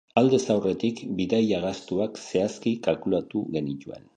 Aldez aurretik bidaia-gastuak zehazki kalkulatu genituen.